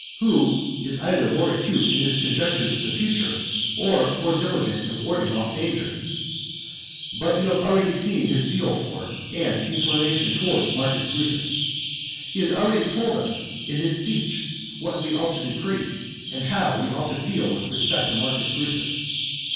Who is either more acute in his conjectures of the future, or more diligent in warding off danger? But you have already seen his zeal for, and inclination towards Marcus Brutus. He has already told us in his speech what we ought to decree, and how we ought to feel with respect to Marcus Brutus.